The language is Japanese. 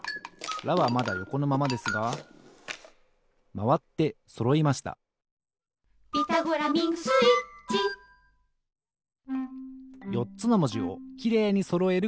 「ラ」はまだよこのままですがまわってそろいました「ピタゴラミングスイッチ」よっつのもじをきれいにそろえる